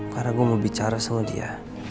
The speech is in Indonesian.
karena gue mau bicara sama dia